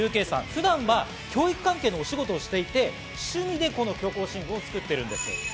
普段は教育関係のお仕事をしていて、趣味でこの虚構新聞を作っているんです。